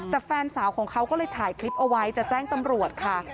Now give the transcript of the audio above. แต่แฟนสาวของเขาก็เลยถ่ายคลิปเอาไว้จะแจ้งตำรวจค่ะ